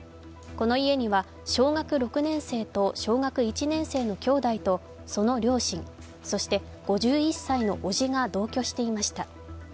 この家には小学６年生と小学１年生の兄弟とその両親、そして５１歳のおじが同居していました。